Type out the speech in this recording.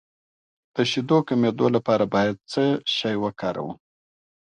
د شیدو د کمیدو لپاره باید څه شی وکاروم؟